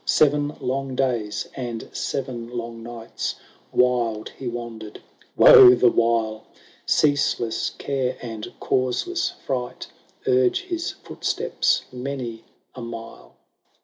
Seven long days, and seven long nights, Wild he wandered, woe the while ! Ceaseless care, and causeless fright, Urge his footsteps many a mile.